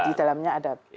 di dalamnya ada